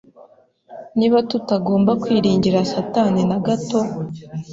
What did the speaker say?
Niba tutagomba kwiringira Satani na gato